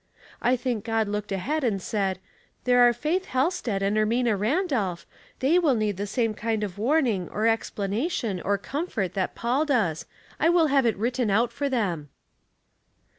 I think God looked ahead and said, * There are Faith Halstead and Ermina Ran dolph, they will need the same kind of warning, or explanation, or comfort that Paul does. J will have it written out for them."